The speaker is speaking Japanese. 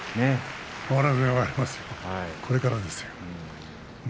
これからです。